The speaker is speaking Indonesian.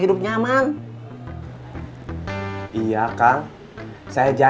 dari yang kemaren ya